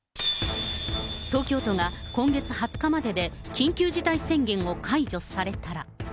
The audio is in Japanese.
東京都が今月２０日までで、緊急事態宣言を解除されたら。